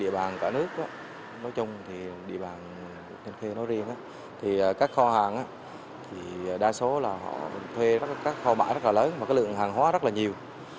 địa bàn cả nước nói chung thì địa bàn thành khê nói riêng thì các kho hàng thì đa số là họ thuê các kho bãi rất là lớn và cái lượng hàng hóa rất là nhiều